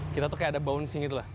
kita tuh kayak ada bounceng gitu lah